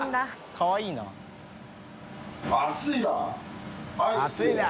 かわいいな。